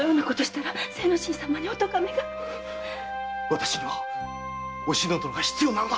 私にはお篠殿が必要なのだ！